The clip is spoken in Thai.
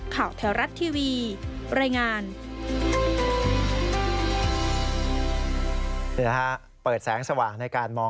ข่าวแถวรัฐทีวีรายงาน